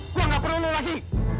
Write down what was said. gua gak perlu lu lagi